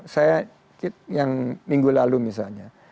saya yang minggu lalu misalnya